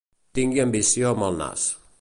Tingui ambició amb el nas.